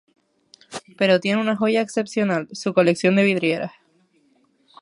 Pero tiene una joya excepcional: su colección de vidrieras.